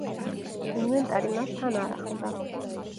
ინვენტარი მას თან არ ახლდა.